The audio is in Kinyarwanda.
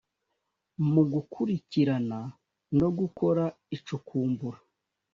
mu gukurikirana no gukora icukumbura